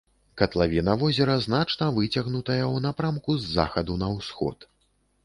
Катлавіна возера значна выцягнутая ў напрамку з захаду на ўсход.